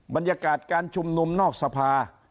บรรยากาศการชุมนุมนอกสภา